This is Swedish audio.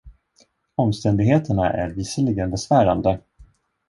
Omständigheterna är visserligen besvärande.